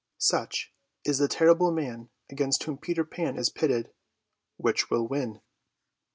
Such is the terrible man against whom Peter Pan is pitted. Which will win?